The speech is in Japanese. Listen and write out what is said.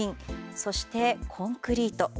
そして、コンクリート。